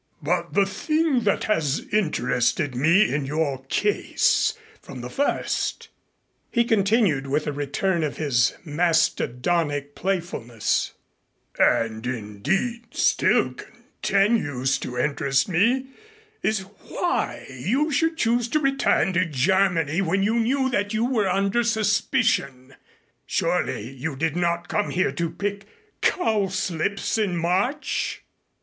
"But the thing that has interested me in your case from the first," he continued with a return of his mastodonic playfulness, "and indeed still continues to interest me, is why you should choose to return to Germany when you knew that you were under suspicion. Surely you did not come here to pick cowslips in March?